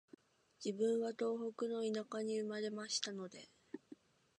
自分は東北の田舎に生まれましたので、